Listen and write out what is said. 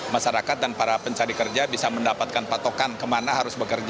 masyarakat dan para pencari kerja bisa mendapatkan patokan kemana harus bekerja